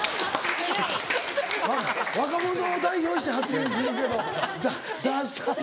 若者を代表して発言するけどダサいな。